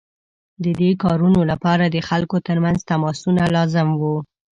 د دې کارونو لپاره د خلکو ترمنځ تماسونه لازم وو.